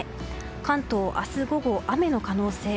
関東明日午後、雨の可能性。